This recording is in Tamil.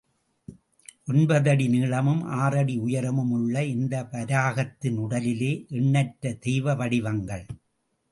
ஒன்பது அடி நீளமும், ஆறு அடி உயரமும் உள்ள இந்த வராகத்தின் உடலிலே எண்ணற்ற தெய்வ வடிவங்கள்.